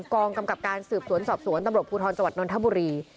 กองกำกับการสืบสวนสอบสวนตำรวจภูทรจังหวัดนทบุรี